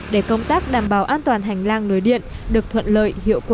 để công tác đảm bảo an toàn hành lang nối điện được thuận lợi hiệu quả